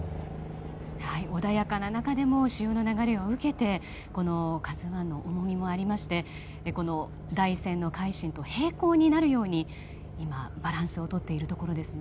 穏やかな中でも潮の流れを受けてこの「ＫＡＺＵ１」の重みもありまして台船の「海進」と平行になるように今、バランスをとっているところです。